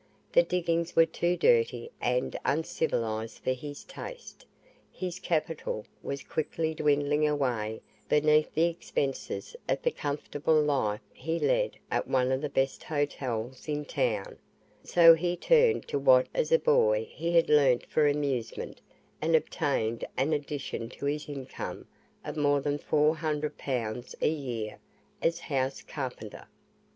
The diggings were too dirty and uncivilized for his taste, his capital was quickly dwindling away beneath the expenses of the comfortable life he led at one of the best hotels in town, so he turned to what as a boy he had learnt for amusement, and obtained an addition to his income of more than four hundred pounds a year as house carpenter.